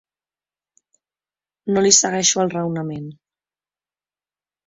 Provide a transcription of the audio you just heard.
No li segueixo el raonament.